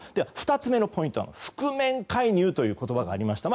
２つ目のポイントが覆面介入という言葉がありました。